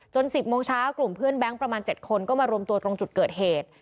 ๑๐โมงเช้ากลุ่มเพื่อนแบงค์ประมาณ๗คนก็มารวมตัวตรงจุดเกิดเหตุ